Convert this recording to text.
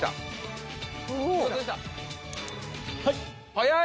・早い。